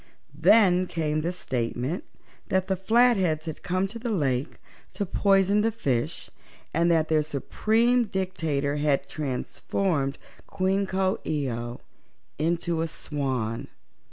Then came the statement that the Flatheads had come to the lake to poison the fishes and that their Supreme Dictator had transformed Queen Coo ee oh into a swan.